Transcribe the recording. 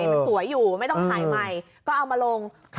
มันสวยอยู่ไม่ต้องถ่ายใหม่ก็เอามาลง